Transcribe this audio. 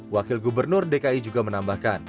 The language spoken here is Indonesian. wakil gubernur dki juga menambahkan